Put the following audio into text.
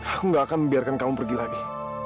aku gak akan membiarkan kamu pergi lagi